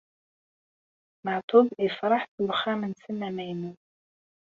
Maɛṭub yefreḥ s uxxam-nsen amaynut.